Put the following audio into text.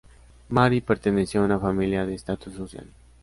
Mary perteneció a una familia de estatus social.